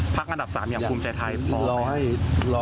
ข้อบทศาสตร์สามอย่ามคุมใจไทยพอไหมครับ